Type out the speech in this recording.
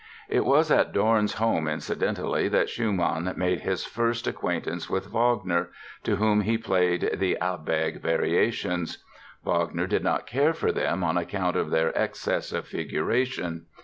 It was at Dorn's home, incidentally, that Schumann made his first acquaintance with Wagner, to whom he played the "Abegg" Variations. Wagner did not care for them on account of their "excess of figuration".